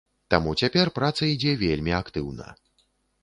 Таму цяпер праца ідзе вельмі актыўна.